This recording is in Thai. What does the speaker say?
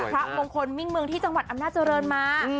พระมงคลมิ่งเมืองที่จังหวัดอำนาจริงมา